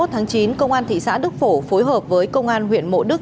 hai mươi tháng chín công an thị xã đức phổ phối hợp với công an huyện mộ đức